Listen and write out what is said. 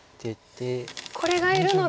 これがいるので。